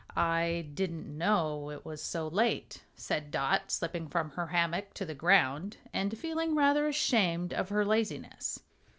"I didn't know it was so late," said Dot, slipping from her hammock to the ground and feeling rather ashamed of her laziness.